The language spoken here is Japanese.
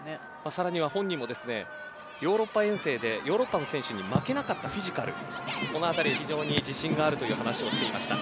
さらには本人もヨーロッパ遠征でヨーロッパの選手に負けなかったフィジカルこの辺り非常に自信があるという話をしていました。